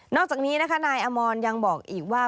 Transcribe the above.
อกจากนี้นะคะนายอมรยังบอกอีกว่า